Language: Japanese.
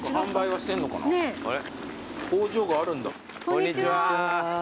こんにちは。